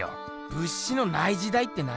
「物資のない時代」って何？